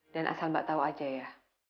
dan asal mbak tahu aja ya